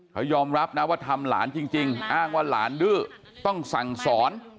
เขายอมรับนะว่าทำหลานจริงอ้างว่าหลานดื้อต้องสั่งสอน